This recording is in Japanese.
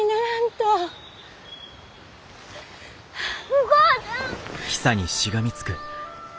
お母ちゃん！